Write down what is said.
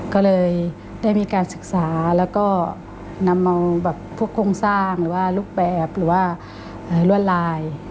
ก็เลยได้มีการศึกษาแล้วก็นำเอาแบบพวกโครงสร้างหรือว่ารูปแบบหรือว่ารวดลาย